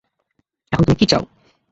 এখন তুমি কী চাও?